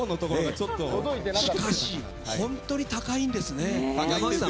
しかし、本当に高いんですね。